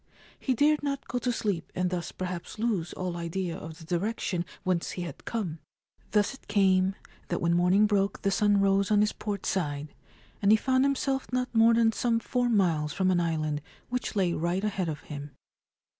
He dared not go to sleep and thus perhaps lose all idea of the direction whence he had come. Thus it came that when morning broke the sun rose on his port side, and he found himself not more than some four miles from an island which lay 173 Ancient Tales and Folklore of Japan right ahead of him.